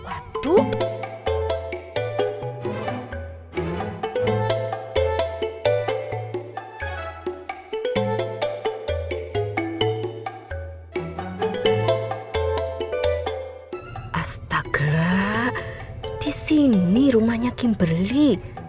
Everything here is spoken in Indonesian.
astaga disini rumahnya kimberly